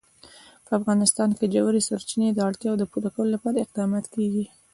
په افغانستان کې د ژورې سرچینې د اړتیاوو پوره کولو لپاره اقدامات کېږي.